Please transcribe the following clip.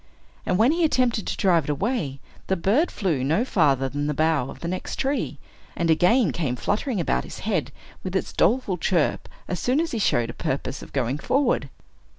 And when he attempted to drive it away, the bird flew no farther than the bough of the next tree, and again came fluttering about his head, with its doleful chirp, as soon as he showed a purpose of going forward.